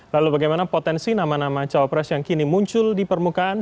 lalu bagaimana potensi nama nama cawapres yang kini muncul di permukaan